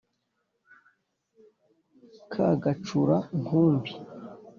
ka gacura-nkumbi,